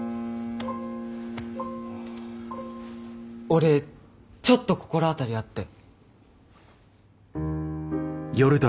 俺ちょっと心当たりあって。